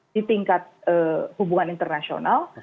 di tingkat hubungan internasional